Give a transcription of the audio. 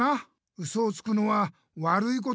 ウソをつくのはわるいこと？